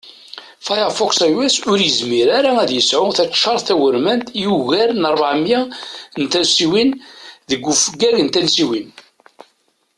Firefox iOS ur yizmir ara ad yesεu taččart tawurmant i ugar n rbeɛ miyya n tansiwin deg ufeggag n tansiwin